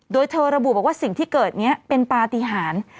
โดยเธอระบุบอกว่าสิ่งที่เกิดนี้เป็นปฏิหาร